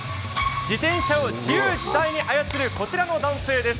自転車を自由自在に操る、こちらの男性です。